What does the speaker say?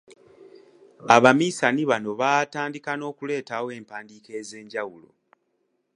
Abaminsani bano baatandika n’okuleetawo empandiika ez’enjawulo.